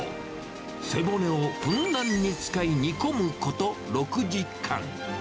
背骨をふんだんに使い、煮込むこと６時間。